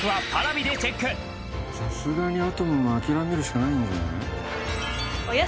さすがにアトムも諦めるしかないんじゃない？